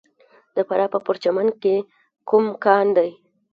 د فراه په پرچمن کې کوم کان دی؟